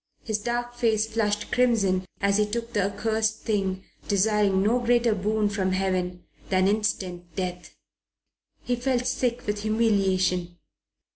His dark face flushed crimson as he took the accursed thing, desiring no greater boon from Heaven than instant death. He felt sick with humiliation.